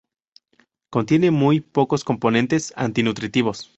Contiene muy pocos componentes anti nutritivos.